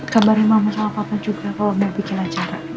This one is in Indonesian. kabarnya mama sama papa juga kalo mau bikin acara